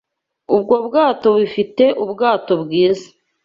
Ubwo bwato bufite ubwato bwiza.